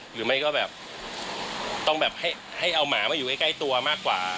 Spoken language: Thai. หรือไม่ก็แบบต้องแบบให้เอาหมามาอยู่ใกล้ตัวมากกว่า